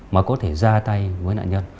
mà có thể ra tay với nạn nhân